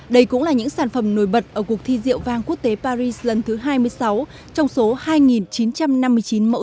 đây cũng là những sản phẩm nổi bật ở cuộc thi rượu vang quốc tế paris lần thứ hai mươi sáu trong số hai chín trăm năm mươi chín mẫu